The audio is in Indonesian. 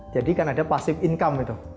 jadi kan ada passive income itu